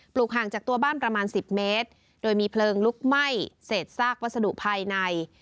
ห่างจากตัวบ้านประมาณ๑๐เมตรโดยมีเพลิงลุกไหม้เศษซากวัสดุภายใน